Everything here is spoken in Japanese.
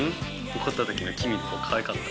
怒った時のキミの顔かわいかった。